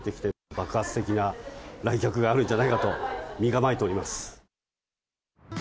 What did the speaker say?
爆発的な来客があるんじゃないかと、身構えております。